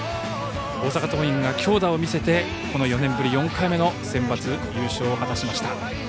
大阪桐蔭が強打を見せてこの４年ぶり４回目のセンバツ優勝を果たしました。